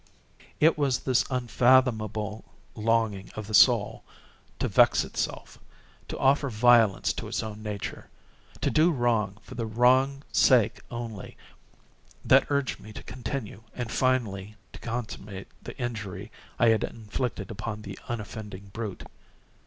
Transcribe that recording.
It was this unfathomable longing of the soul to vex itself—to offer violence to its own nature—to do wrong for the wrong's sake only—that urged me to continue and finally to consummate the injury I had inflicted upon the unoffending brute.